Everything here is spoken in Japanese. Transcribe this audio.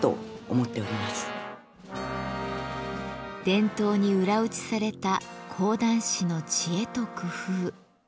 伝統に裏打ちされた講談師の知恵と工夫。